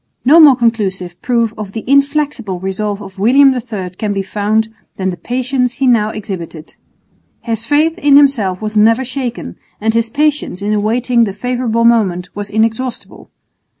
No more conclusive proof of the inflexible resolve of William III can be found than the patience he now exhibited. His faith in himself was never shaken, and his patience in awaiting the favourable moment was inexhaustible.